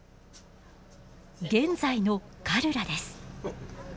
現在のカルラです。